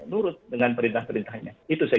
nurut dengan perintah perintahnya itu saya